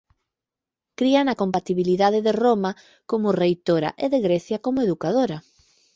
Cría na compatibilidade de Roma como reitora e de Grecia como educadora.